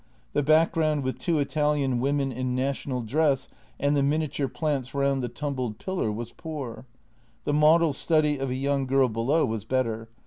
The background with two Italian women in national dress and the miniature plants round the tumbled pillar was poor. The model study of a young girl below was better.